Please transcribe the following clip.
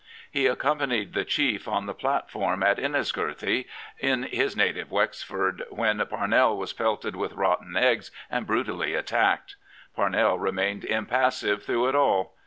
He accompanied the chief on the platform at Enniscorthy, in his native Wexford, when Parnell was pelted with rotten eggs and brutally attacked. Parnell remained impassive through it all.